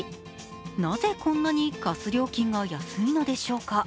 なぜこんなにガス料金が安いのでしょうか。